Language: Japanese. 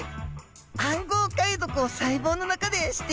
暗号解読を細胞の中でしているんですね！